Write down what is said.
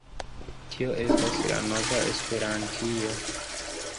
Tio estas la nova Esperantio.